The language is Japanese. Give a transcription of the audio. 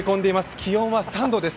気温は３度です。